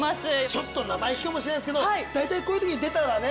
ちょっと生意気かもしれないですけど大体こういう時出たらね